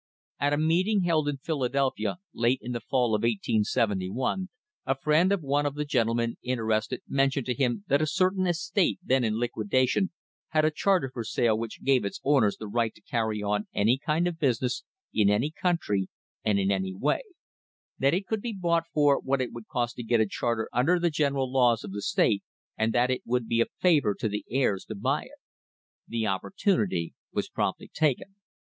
At a meeting held in Philadelphia late in the fall of 1871 a friend of one of the gentlemen interested mentioned to him that a certain estate then in liquidation had a charter for sale which gave its owners the right to carry on any kind of business in any country and in any way; that it could be bought for what it would cost to get a charter under the general laws of the state, and that it would be a favour to the heirs to buy it. The opportunity was promptly taken.